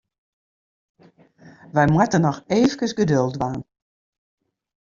Wy moatte noch eefkes geduld dwaan.